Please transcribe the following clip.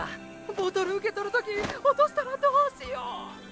ボトル受け取る時落としたらどうしよう！